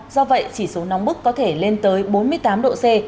do vậy chỉ số nóng bức có thể lên tới bốn mươi tám độ c